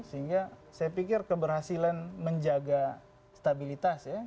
sehingga saya pikir keberhasilan menjaga stabilitas ya